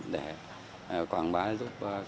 để quảng bá giúp